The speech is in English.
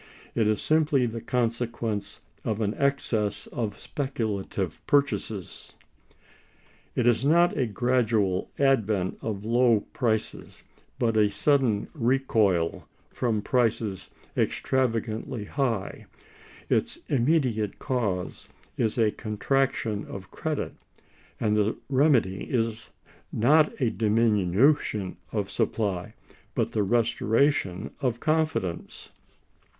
It is simply the consequence of an excess of speculative purchases. It is not a gradual advent of low prices, but a sudden recoil from prices extravagantly high: its immediate cause is a contraction of credit, and the remedy is, not a diminution of supply, but the restoration of confidence.